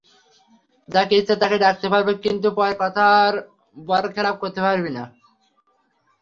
যাকে ইচ্ছা তাকেই ডাকতে পারবো কিন্তু পরে কথার বরখেলাপ করতে পারবি না।